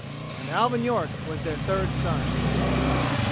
And Alvin York was their third son.